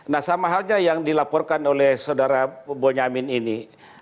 nah sama halnya yang dilaporkan oleh saudara bonyamin ini